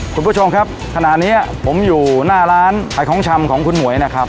คุณผู้ชมครับขณะนี้ผมอยู่หน้าร้านขายของชำของคุณหมวยนะครับ